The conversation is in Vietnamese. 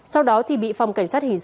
sau đó bị phòng cảnh sát hình sự bắt giữ